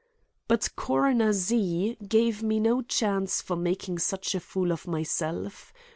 But Coroner Z. gave me no chance for making such a fool of myself.